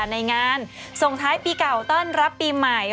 ในงานส่งท้ายปีเก่าต้อนรับปีใหม่